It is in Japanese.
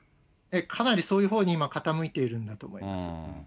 かなりそういうほうに今、傾いているんだと思います。